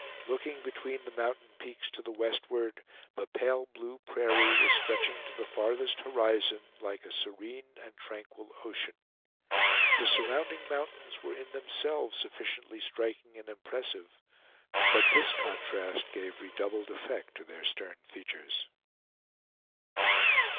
Looking between the mountain peaks to the westward, the pale blue prairie was stretching to the farthest horizon like a serene and tranquil ocean. The surrounding mountains were in themselves sufficiently striking and impressive, but this contrast gave redoubled effect to their stern features.